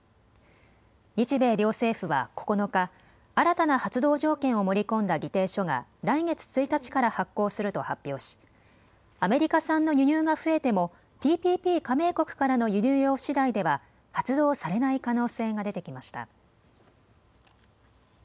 日米両政府は９日、新たな発動条件を盛り込んだ議定書が来月１日から発効すると発表しアメリカ産の輸入が増えてもＴＰＰ加盟国からの輸入量しだいでは発動されない可能性が出てきました。